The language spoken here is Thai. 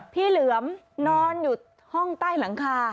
เหลือมนอนอยู่ห้องใต้หลังคา